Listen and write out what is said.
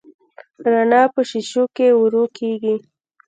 رڼا په شیشو کې ورو کېږي.